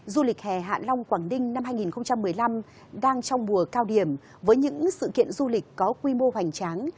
du lịch hè hạ long quảng ninh năm hai nghìn một mươi năm đang trong mùa cao điểm với những sự kiện du lịch có quy mô hoành tráng